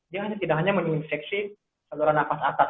dia tidak hanya menginfeksi kedua nafas atas